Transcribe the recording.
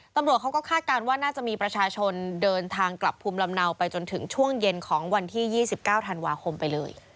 ตำรวจเขาก็คาดการณ์ว่าน่าจะมีประชาชนเดินทางกลับภูมิลำเนาไปจนถึงช่วงเย็นของวันที่๒๙ธันวาคมไปเลย